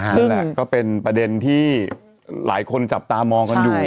นั่นแหละก็เป็นประเด็นที่หลายคนจับตามองกันอยู่